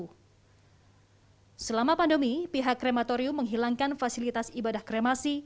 hai selama pandemi pihak krematorium menghilangkan fasilitas ibadah kremasi